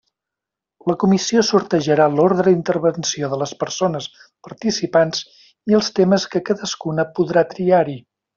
La comissió sortejarà l'ordre d'intervenció de les persones participants i els temes que cadascuna podrà triar-hi.